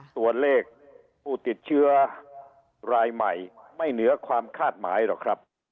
ตัวเลขผู้ติดเชื้อรายใหม่ไม่เหนือความคาดหมายหรอกครับ